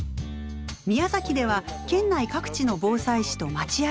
宮崎では県内各地の防災士とまち歩き。